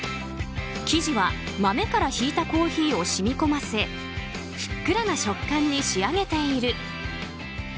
生地は、豆からひいたコーヒーを染み込ませふっくらな食感に仕上げている。